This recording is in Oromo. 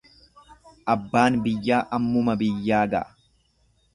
Abbaan biyyaa ammuma biyyaa ga'a.